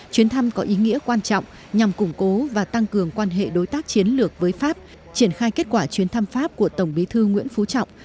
chuyến thăm có ý nghĩa quan trọng nhằm củng cố và tăng cường quan hệ đối tác chiến lược với pháp triển khai kết quả chuyến thăm pháp của tổng bí thư nguyễn phú trọng